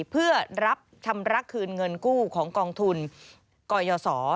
เพื่อรับชำระคืนเงินกู้ของกองทุนกยศ